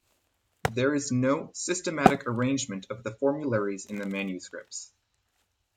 There is no systematic arrangement of the formularies in the manuscripts.